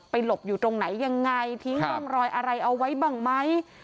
หลบอยู่ตรงไหนยังไงทิ้งร่องรอยอะไรเอาไว้บ้างไหม